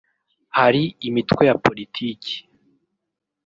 hari imitwe ya politiki”